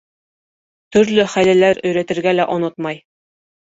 Төрлө хәйләләр өйрәтергә лә онотмай.